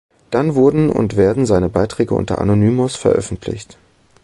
Dann wurden und werden seine Beiträge unter "anonymus" veröffentlicht.